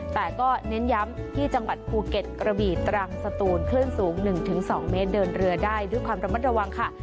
แต่ก็เน้นย้ำที่จังหวัดภูเก็ตกระบีตรังสตูนคลื่นสูง๑๒เมตรเดินเรือได้ด้วยความระมัดระวังค่ะ